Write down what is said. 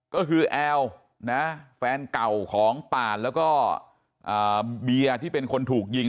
ก็คือแอลนะแฟนเก่าของป่านแล้วก็เบียร์ที่เป็นคนถูกยิง